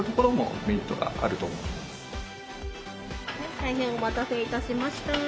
大変お待たせいたしました。